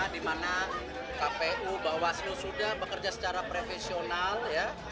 dimana kpu bawaslu sudah bekerja secara profesional ya